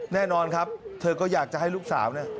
แน่นอนครับเธอก็อยากจะให้ลูกสาวเนี่ย